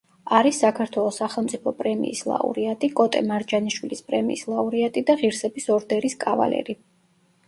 არის საქართველოს სახელმწიფო პრემიის ლაურეატი, კოტე მარჯანიშვილის პრემიის ლაურეატი და ღირსების ორდერის კავალერი.